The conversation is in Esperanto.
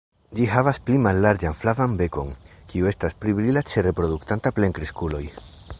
Ĝi havas pli mallarĝan flavan bekon, kiu estas pli brila ĉe reproduktantaj plenkreskuloj.